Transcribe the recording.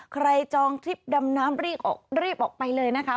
ใครจองทริปดำน้ำรีบออกไปเลยนะคะ